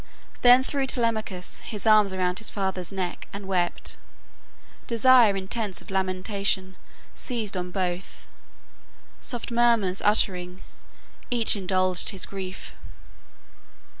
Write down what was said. "... Then threw Telemachus His arms around his father's neck and wept. Desire intense of lamentation seized On both; soft murmurs uttering, each indulged His grief."